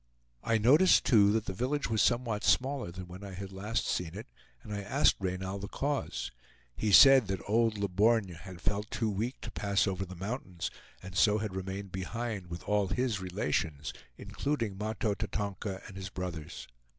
I noticed too that the village was somewhat smaller than when I had last seen it, and I asked Reynal the cause. He said that the old Le Borgne had felt too weak to pass over the mountains, and so had remained behind with all his relations, including Mahto Tatonka and his brothers.